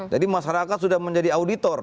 jadi masyarakat sudah menjadi auditor